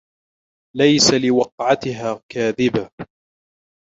لَيْسَ لِوَقْعَتِهَا كَاذِبَةٌ